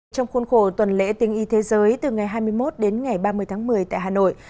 trong khuôn khổ tuần lễ tiếng y thế giới từ ngày hai mươi một đến ngày ba mươi tháng một mươi tại hà nội